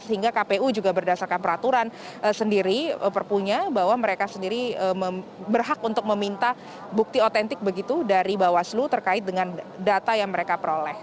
sehingga kpu juga berdasarkan peraturan sendiri perpunya bahwa mereka sendiri berhak untuk meminta bukti otentik begitu dari bawaslu terkait dengan data yang mereka peroleh